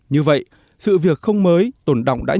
như vậy sự việc không mới tồn động đã nhận ra trong lĩnh vực này